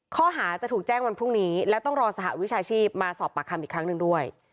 ข้อหาจะถูกแจ้งวันพรุ่งนี้และต้องรอสหวิชาชีพมาสอบปากคำอีกครั้งหนึ่งด้วย